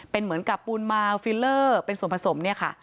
เป็นเหมือนกับปูนมาวฟิลเลอร์เป็นส่วนผสมเนี่ยค่ะ